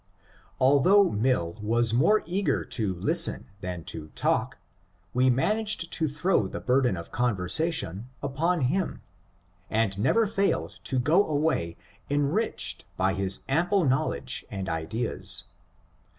Althougn^ill \^as more eager to listen than to talk, we managed to throw the burden of conversation upon him, and never failed to go away enriched by his ample knowledge and ideas.